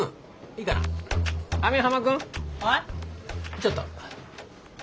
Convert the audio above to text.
ちょっと。